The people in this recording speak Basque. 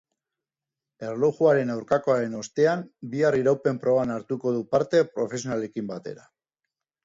Erlojuaren aurkakoaren ostean bihar iraupen proban hartuko du parte profesionalekin batera.